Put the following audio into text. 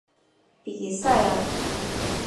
比塞尔。